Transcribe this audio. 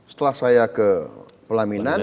setelah saya ke pelaminan